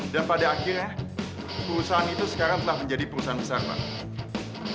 dan pada akhirnya perusahaan itu sekarang telah menjadi perusahaan besar banget